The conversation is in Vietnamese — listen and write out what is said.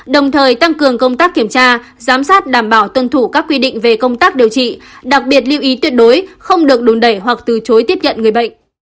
đồng thời tăng cường công tác kiểm tra giám sát đảm bảo tuân thủ các quy định về công tác điều trị đặc biệt lưu ý tuyệt đối không được đùn đẩy hoặc từ chối tiếp nhận người bệnh